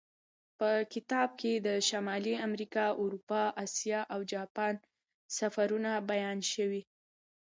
په کتاب کې د شمالي امریکا، اروپا، اسیا او جاپان سفرونه بیان شوي.